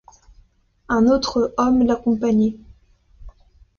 Un autre homme l'accompagnait.